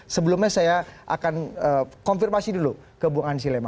sebelumnya saya akan konfirmasi dulu ke bung ansi lema